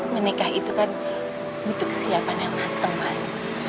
menikah itu kan butuh kesiapan yang matang mas